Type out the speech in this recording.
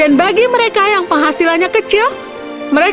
aku bisa melihat perasaanil siapa adalahhl methodoth network